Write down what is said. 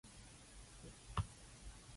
免炸日式揚豆腐